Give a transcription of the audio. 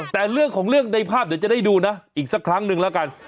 แต่เรื่องของเรื่องในภาพเดี๋ยวจะได้ดูนะอีกสักครั้งหนึ่งแล้วกัน